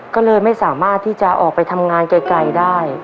ก็เลยไม่สามารถที่จะออกไปทำงานไกลได้